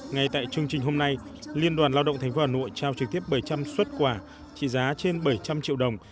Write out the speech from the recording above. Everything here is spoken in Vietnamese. ngay tại chương trình hôm nay liên đoàn lao động tp hà nội trao trực tiếp bảy trăm linh xuất quà trị giá trên bảy trăm linh triệu đồng